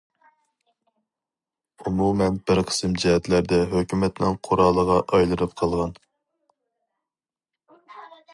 ئومۇمەن، بىر قىسىم جەھەتلەردە ھۆكۈمەتنىڭ قورالىغا ئايلىنىپ قالغان.